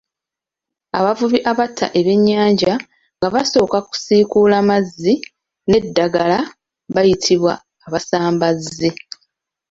Abavubi abatta ebyennyanja nga basooka kusiikuula mazzi n'eddagala bayitibwa abasambazzi.